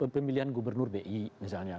pemilihan gubernur bi misalnya